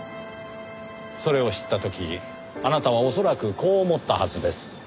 それを知った時あなたは恐らくこう思ったはずです。